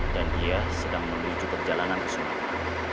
dan dia sedang menuju perjalanan ke seluma